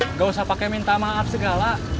nggak usah pakai minta maaf segala